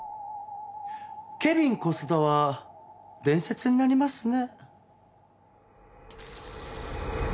ケビン小須田は伝説になりますね。